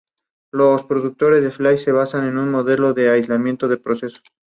Estuvo dirigido por Javier Smith Carretero.